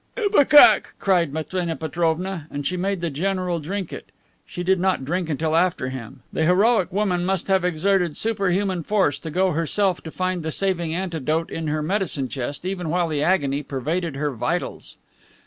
"Ipecac," cried Matrena Petrovna, and she made the general drink it. She did not drink until after him. The heroic woman must have exerted superhuman force to go herself to find the saving antidote in her medicine chest, even while the agony pervaded her vitals.